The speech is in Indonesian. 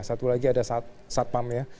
satu lagi ada satpam ya